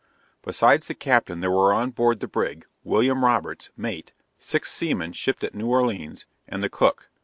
Besides the captain there were on board the brig, William Roberts, mate, six seamen shipped at New Orleans, and the cook.